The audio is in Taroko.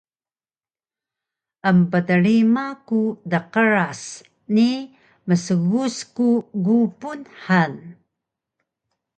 Emptrima ku dqras ni msgus ku gupun han